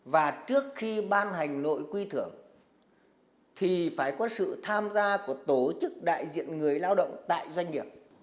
và trước khi ban hành nội quy thưởng thì phải có sự tham gia của tổ chức đại diện người lao động tại doanh nghiệp